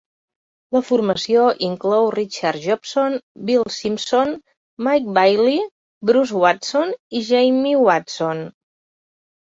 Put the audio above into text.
La formació inclou Richard Jobson, Bill Simpson, Mike Baillie, Bruce Watson i Jamie Watson.